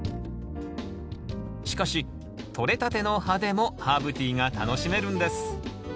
しかしとれたての葉でもハーブティーが楽しめるんです。